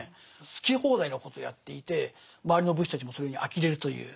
好き放題なことをやっていて周りの武士たちもそれにあきれるという。